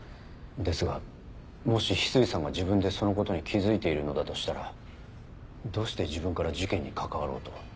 ですがもし翡翠さんが自分でそのことに気付いているのだとしたらどうして自分から事件に関わろうと？